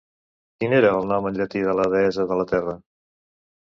Quin era el nom en llatí de la deessa de la terra?